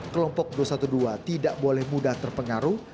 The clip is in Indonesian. kelompok dua ratus dua belas tidak boleh mudah terpengaruh